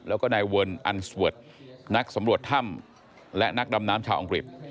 แล้วก็นายเวิร์นอันสเวิร์ดนักสำรวจถ้ำและนักดำน้ำชาวอังกฤษ